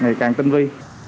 ngày càng tinh vi